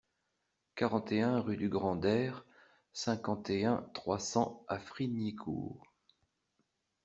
quarante et un rue du Grand Der, cinquante et un, trois cents à Frignicourt